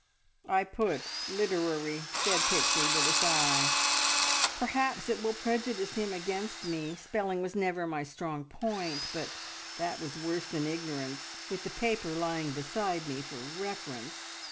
"I put `literery'!" said Pixie, with a sigh. Perhaps it will prejudice him against me! Spelling was never my strong point, but that was worse than ignorance with the paper lying beside me for reference!